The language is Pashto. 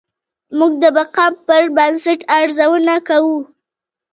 موږ د مقام پر بنسټ ارزونه کوو.